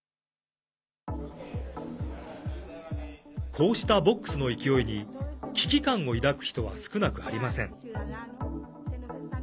こうしたボックスの勢いに危機感を抱く人は少なくありません。